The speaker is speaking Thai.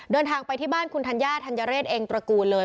เดินทางไปที่บ้านคุณธัญญาธัญเรศเองตระกูลเลย